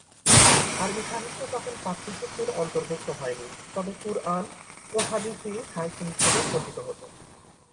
আরবি সাহিত্য তখন পাঠ্যসূচির অন্তর্ভুক্ত হয়নি, তবে কুরআন ও হাদীসই সাহিত্য হিসেবে পঠিত হতো।